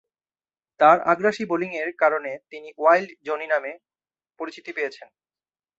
তার আগ্রাসী বোলিংয়ে কারণে তিনি ‘ওয়াইল্ড জনি’ ডাকনামে পরিচিতি পেয়েছেন।